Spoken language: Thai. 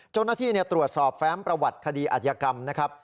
เจ้าหน้าที่ตรวจสอบแฟ้มประวัติคดีอัธยกรรมนะครับ